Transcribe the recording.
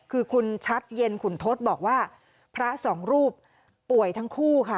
คือคุณชัดเย็นขุนทศบอกว่าพระสองรูปป่วยทั้งคู่ค่ะ